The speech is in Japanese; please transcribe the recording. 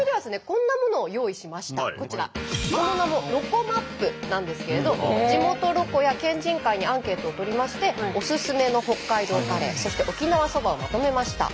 その名も「ロコＭＡＰ」なんですけれど地元ロコや県人会にアンケートをとりましておすすめの北海道カレーそして沖縄そばをまとめました。